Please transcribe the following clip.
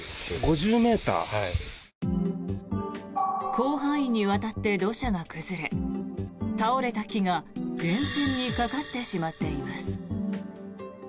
広範囲にわたって土砂が崩れ倒れた木が電線にかかってしまっています。